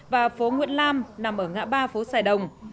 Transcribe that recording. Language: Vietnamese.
và phố nguyễn lam nằm ở ngã ba phố sài đồng